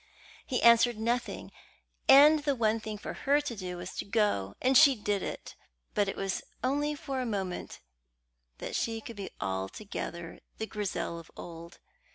He answered nothing, and the one thing for her to do was to go; and she did it. But it was only for a moment that she could be altogether the Grizel of old.